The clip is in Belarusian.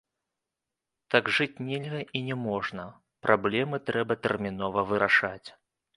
Так жыць нельга і не можна, праблемы трэба тэрмінова вырашаць.